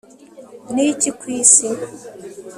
niki ku isi